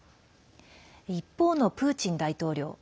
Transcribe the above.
一方のプーチン大統領。